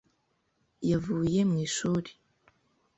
yavuye mu ishuri.